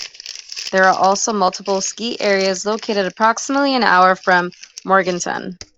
There are also multiple ski areas located approximately an hour from Morganton.